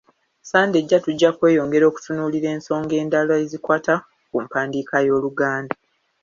Ssande ejja tujja kweyongera okutunuulira ensonga endala ezikwata ku mpandiika y'Oluganda.